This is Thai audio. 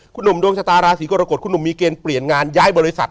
คุณหนุ่มดวงชะตาราศีกรกฎคุณหนุ่มมีเกณฑ์เปลี่ยนงานย้ายบริษัท